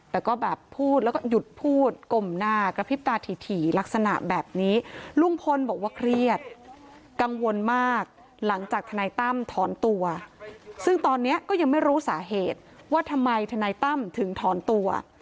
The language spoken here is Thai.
แต่ก็แบบพูดแล้วก็หยุดพูดกลมหน้ากระพริบตาถี่ลักษณะแบบนี้ลุงพลบอกว่าเครียดกังวลมากหลังจากทนายตั้มถอนตัวซึ่งตอนนี้ก็ยังไม่รู้สาเหตุว่าทำไมทนายตั้มถึงถอนตัว